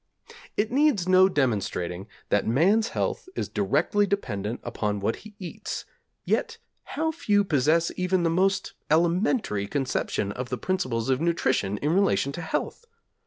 It needs no demonstrating that man's health is directly dependent upon what he eats, yet how few possess even the most elementary conception of the principles of nutrition in relation to health?